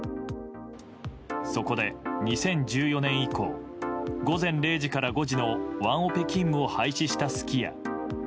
そこで、２０１４年以降午前０時から５時のワンオペ勤務を廃止したすき家。